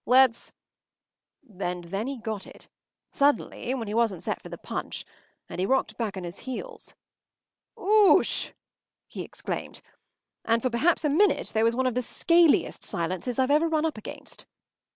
Let’s——” And then he got it—suddenly, when he wasn’t set for the punch; and he rocked back on his heels. “Oosh!” he exclaimed. And for perhaps a minute there was one of the scaliest silences I’ve ever run up against.